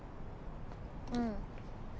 うん。